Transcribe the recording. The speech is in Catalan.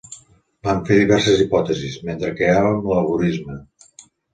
Vam fer diverses hipòtesis mentre creàvem l'algorisme.